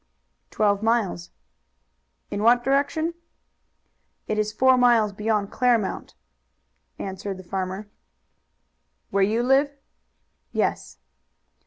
"Twelve miles." "In what direction?" "It is four miles beyond Claremont," answered the farmer. "Where you live?" "Yes."